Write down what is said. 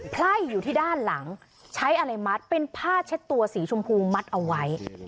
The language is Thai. ไพ่อยู่ที่ด้านหลังใช้อะไรมัดเป็นผ้าเช็ดตัวสีชมพูมัดเอาไว้